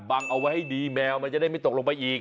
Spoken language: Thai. เอาไว้ให้ดีแมวมันจะได้ไม่ตกลงไปอีก